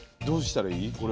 どうしたらいい？